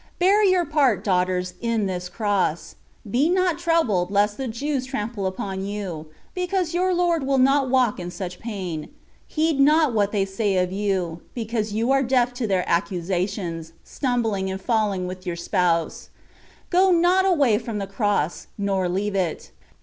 Bear your part, daughters, in this Cross : be not troubled, lest the Jews trample upon you, because your Lord will not walk in such pain ; heed not what they say of you, because you are deaf to their accusations, stumbling and falling with your Spouse ; go not awav from the Cross, nor leave it.